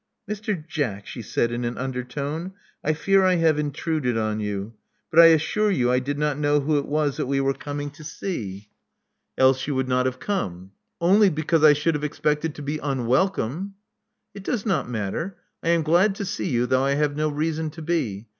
Mr. Jack," she said, in an undertone: I fear I have intruded on you. But I assure you I did not know who it was that we were coming to see, " 96 Love Among the Artists Else you would not have come." Only because I should have expected to be unwelcome." It does not matter. I am glad to see you, though I have no reason to be.